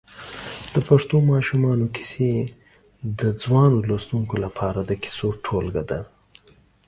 د پښتو ماشومانو کیسې د ځوانو لوستونکو لپاره د کیسو ټولګه ده.